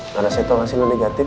karena saya tau hasilnya negatif